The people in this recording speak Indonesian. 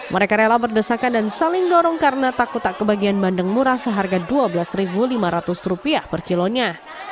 mereka rela berdesakan dan saling dorong karena takut tak kebagian bandeng murah seharga rp dua belas lima ratus per kilonya